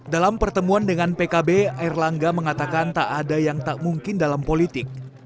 dalam pertemuan dengan pkb air langga mengatakan tak ada yang tak mungkin dalam politik